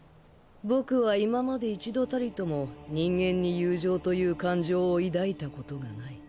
僕は今まで一度たりとも人間に友情という感情を抱いたことがない。